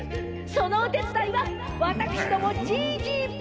そのお手伝いは私どもＧＧＰ！